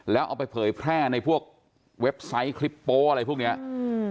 แล้วเอาไปเผยแพร่ในพวกเว็บไซต์คลิปโป๊อะไรพวกเนี้ยอืม